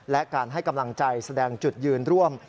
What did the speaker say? และการให้กำลังใจแสดงจุดยืนร่วม